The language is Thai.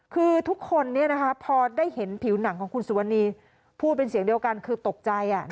คือทุกคนพอได้เห็นผิวหนังของคุณสุวรรณีพูดเป็นเสียงเดียวกันคือตกใจ